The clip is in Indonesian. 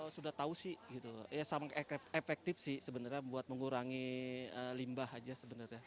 sudah tahu sih efektif sih sebenarnya buat mengurangi limbah aja sebenarnya